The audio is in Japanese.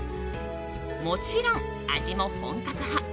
もちろん、味も本格派！